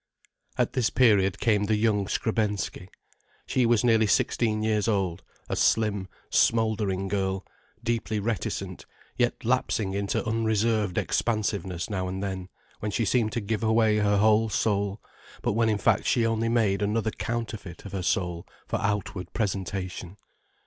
At this period came the young Skrebensky. She was nearly sixteen years old, a slim, smouldering girl, deeply reticent, yet lapsing into unreserved expansiveness now and then, when she seemed to give away her whole soul, but when in fact she only made another counterfeit of her soul for outward presentation.